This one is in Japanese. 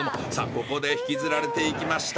ここで引きずられていきました